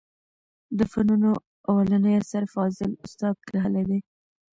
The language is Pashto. د فنونو اولنى اثر فاضل استاد کښلى دئ.